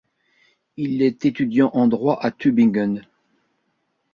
Il est étudiant en droit à Tübingen.